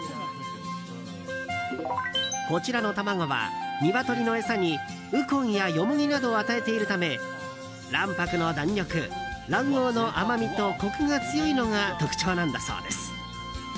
こちらの卵はニワトリの餌にウコンやヨモギなどを与えているため卵白の弾力卵黄の甘みとコクが強いのが特徴なんだそうです。